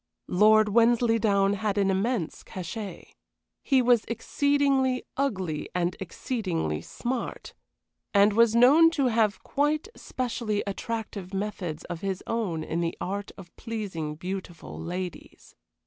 Lord Wensleydown had an immense cachet. He was exceedingly ugly and exceedingly smart, and was known to have quite specially attractive methods of his own in the art of pleasing beautiful ladies.